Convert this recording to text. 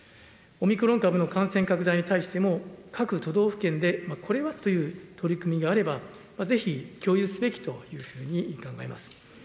オミクロン株の感染拡大に対しても、各都道府県でこれはという取り組みがあれば、ぜひ共有すべきというふうに考えます。